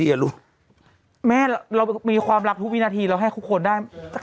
เรามีความรักทุกวินาทีเราให้คนได้